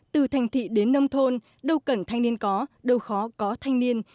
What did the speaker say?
từ thành thị đến nông thôn đâu cần thanh niên có đâu khó có thanh niên